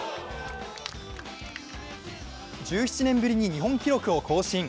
１７年ぶりに日本記録を更新。